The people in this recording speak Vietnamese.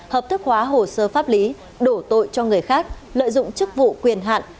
hợp thức hóa hồ sơ pháp lý đổ tội cho người khác lợi dụng chức vụ quyền hạn